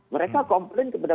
mereka komplain kepada